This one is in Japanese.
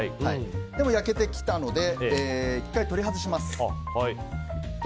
焼けてきたので１回取り出します。